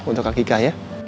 untuk akikah ya